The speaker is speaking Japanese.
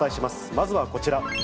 まずはこちら。